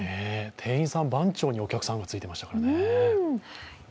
店員さん、番長にお客さんがついていましたからね。